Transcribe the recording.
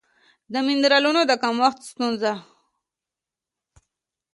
د مېنرالونو د کمښت ستونزه